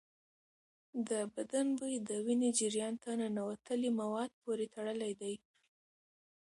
د بدن بوی د وینې جریان ته ننوتلي مواد پورې تړلی دی.